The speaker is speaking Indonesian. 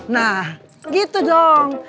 nah gitu dong